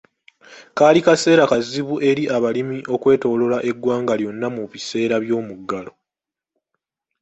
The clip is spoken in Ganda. Kaali kaseera kazibu eri abalimi okwetooloora eggwanga lyonna mu biseera by'omuggalo.